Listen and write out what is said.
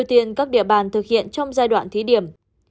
ưu tiên các địa bàn thực hiện trong giai đoạn thí điểm